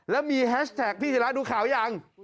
แล้วมีแฮชแท็กพี่ศิราดูข่าวยัง